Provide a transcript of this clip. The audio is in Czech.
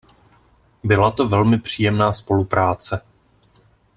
Byla to velmi příjemná spolupráce.